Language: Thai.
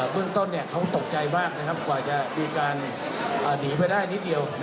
เบื้องต้นเขาตกใจมากนะครับกว่าจะมีการหนีไปได้นิดเดียว